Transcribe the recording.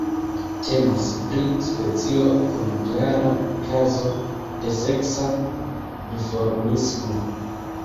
Temas pri specio kun klara kazo de seksa duformismo.